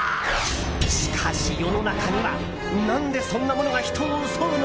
しかし、世の中には何でそんなものが人を襲うの？